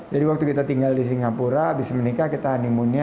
jadi waktu kita tinggal di singapura abis menikah kita honeymoon nya